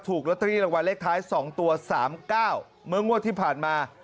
ถูกลอตเตอรี่รางวัลเลขท้าย๒ตัว๓๙เมื่องวดที่ผ่านมา